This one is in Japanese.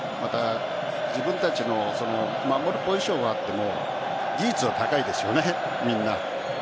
自分たちの守るポジションはあっても技術は高いですよね、みんな。